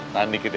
tahan dikit ya